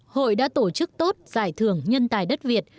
hội đã tổ chức tốt giải thưởng nhân tài đất việt